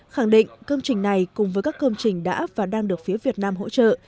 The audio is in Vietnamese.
khẳng định công trình này cùng với các công trình đã và đang được phía việt nam hỗ trợ